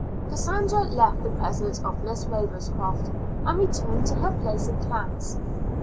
Cassandra left the presence of Miss Ravenscroft and returned to her place in class.